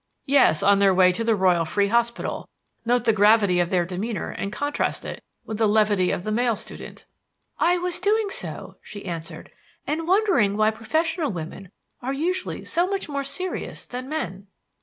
"Yes, on their way to the Royal Free Hospital. Note the gravity of their demeanor and contrast it with the levity of the male student." "I was doing so," she answered, "and wondering why professional women are usually so much more serious than men."